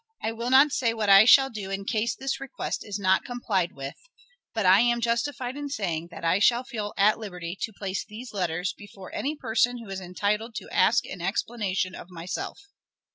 I will not say what I shall do in case this request is not complied with, but I am justified in saying that I shall feel at liberty to place these letters before any person who is entitled to ask an explanation of myself.